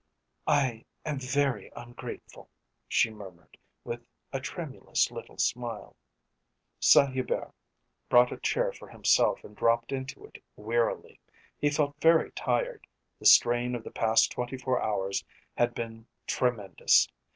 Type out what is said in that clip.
"I am very ungrateful," she murmured, with a tremulous little smile. Saint Hubert brought a chair for himself and dropped into it wearily. He felt very tired, the strain of the past twenty four hours had been tremendous.